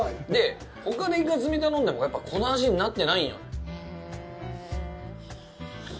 ほかでイカ墨頼んでもやっぱ、この味になってないんよね。